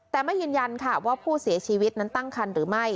แต่ไม่ยืนยันค่ะว่าผู้เสียชีวิตนั้นตั้งคันหรือไม่